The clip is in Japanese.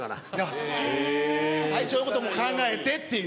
体調のことも考えてっていう。